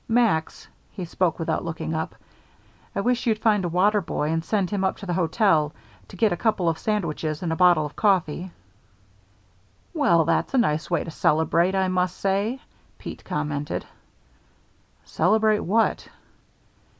"Max." He spoke without looking up. "I wish you'd find a water boy and send him up to the hotel to get a couple of sandwiches and a bottle of coffee." "Well, that's a nice way to celebrate, I must say," Pete commented. "Celebrate what?"